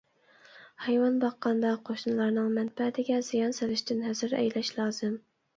ھايۋان باققاندا، قوشنىلارنىڭ مەنپەئەتىگە زىيان سېلىشتىن ھەزەر ئەيلەش لازىم.